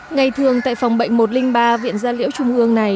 ngày thường tại phòng bệnh một trăm linh ba viện gia liễu trung ương này